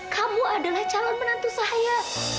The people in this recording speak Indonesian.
kamu adalah calon menantu saya